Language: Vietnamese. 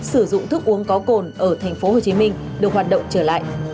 sử dụng thức uống có cồn ở tp hcm được hoạt động trở lại